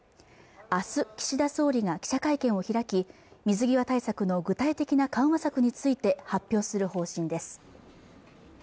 あす岸田総理が記者会見を開き水際対策の具体的な緩和策について発表する方針です